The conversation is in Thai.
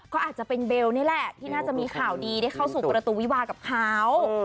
ก็อาจจะเป็นเบลนี่แหละที่น่าจะมีข่าวดีได้เข้าสู่ประตูวิวากับเขา